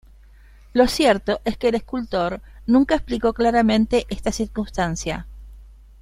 Lo cierto es que el escultor nunca explicó claramente esta circunstancia.